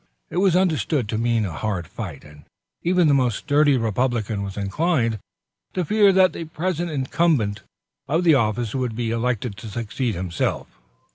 It was understood to mean a hard fight, and even the most sturdy Republican was inclined to fear that the present incumbent of the office would be elected to succeed himself.